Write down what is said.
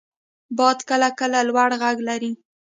• باد کله کله لوړ ږغ لري.